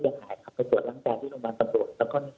และประวัติมาศคนอุตถึงถึงวัฒนศพ